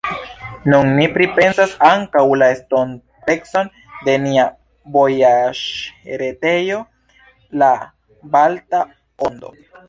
Nun ni pripensas ankaŭ la estontecon de nia novaĵretejo La Balta Ondo.